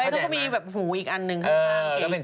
เขาก็มีแบบหูอีกอันนึงข้าง